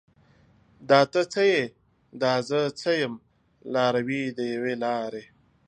دا ته څه یې؟ دا زه څه یم؟ لاروي د یوې لارې